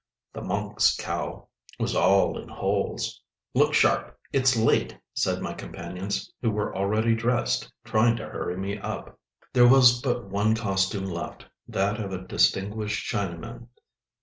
The monk"s cowl was all in holes. "Look sharp; it's late," said my companions, who were already dressed, trying to hurry me up. There was but one costume left—that of a distinguished Chinaman.